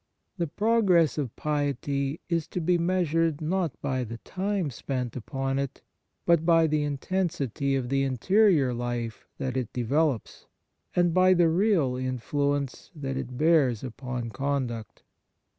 The progress of piety is to be measured, not by the time spent upon it, but by the intensity of the interior life that it develops, and by the real influence that it bears upon conduct.